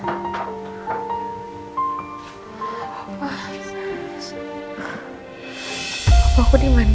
papa aku di mana